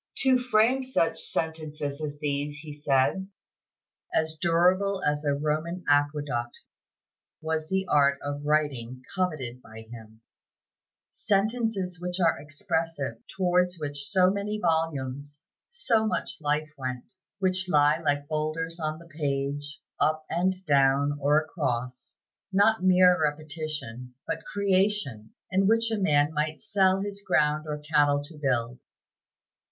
To frame such sentences as these, he said, "as durable as a Roman aqueduct," was the art of writing coveted by him; "sentences which are expressive, towards which so many volumes, so much life went; which lie like boulders on the page, up and down or across, not mere repetition, but creation, and which a man might sell his ground or cattle to build."